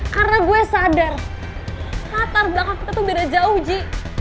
karena gue sadar latar belakang kita tuh beda jauh ji